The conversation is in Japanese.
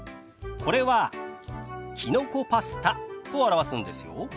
これは「きのこパスタ」と表すんですよ。